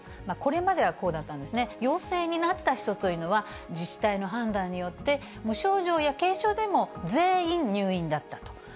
これまでは、こうだったんですね、陽性になった人というのは、自治体の判断によって、無症状や軽症でも、全員入院だったと。